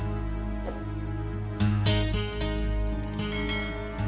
mungkin aku akan bantu dia